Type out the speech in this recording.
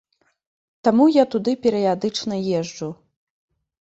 Таму я туды перыядычна езджу.